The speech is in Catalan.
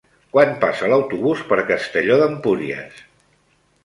Quan passa l'autobús per Castelló d'Empúries?